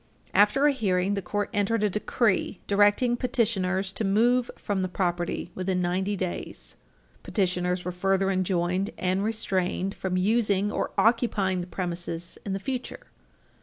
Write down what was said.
After a hearing, the court entered a decree directing petitioners to move from the property within ninety days. Petitioners were further enjoined and restrained from using or occupying the premises in the future.